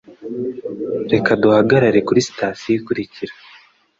Reka duhagarare kuri sitasiyo ikurikira.